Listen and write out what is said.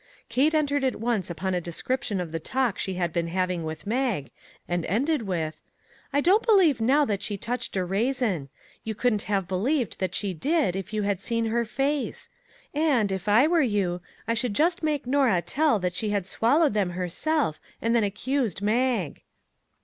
Kate entered at once upon a description of the talk she had been having with Mag, and ended with :" I don't believe now that she touched a raisin. You couldn't have believed that she did, if you had seen her face; and, if I were you, I should just make Norah tell that she had swallowed them herself and then accused Mag."